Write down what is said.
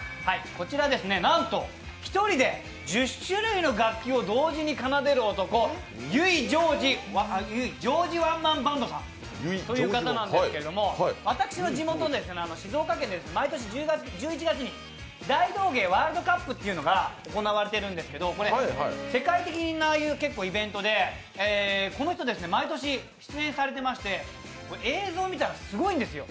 なんと、１人で１０種類の楽器を同時に奏でる男、油井ジョージワンマンバンドさんという方なんですけど、私の地元、静岡県で毎年１１月に大道芸ワールドカップというのが行われているんですけど世界的なイベントで、この人、毎年出演されていまして映像を見たらすごいんですよ。